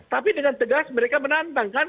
tapi dengan tegas mereka menantang kan